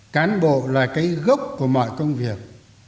cán bộ là cái gốc của mọi công việc